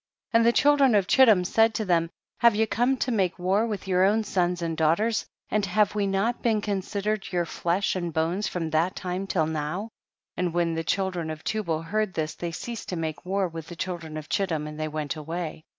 13. And the children of Chittim said to them, have you come to make war with your own sons and daugh ters, and have we not been consi dered your flesh and bones from that time till now ? 14. And when the children of Tu bal heard this they ceased to make war with the children of Chittim, and they went away.